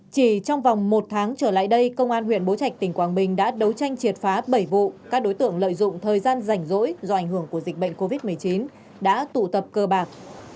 chỉ trong vòng một tháng trở lại đây công an huyện bố trạch tỉnh quảng bình đã đấu tranh triệt phá bảy vụ các đối tượng lợi dụng thời gian rảnh rỗi do ảnh hưởng của dịch bệnh covid một mươi chín đã tụ tập cơ bạc